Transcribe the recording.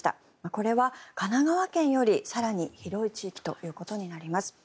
これは神奈川県より更に広い地域となります。